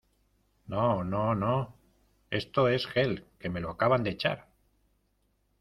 no, no , no... esto es gel , que me lo acaba de echar .